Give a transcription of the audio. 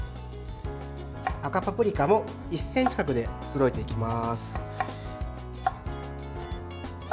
赤パプリカも１ｃｍ角でそろえていきます。